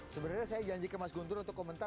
sebenarnya saya janji ke mas guntur untuk komentar